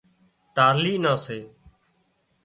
ٽالهي نان سي